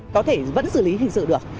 có thể vẫn xử lý hình sự được